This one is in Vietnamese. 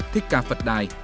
thích ca phật đài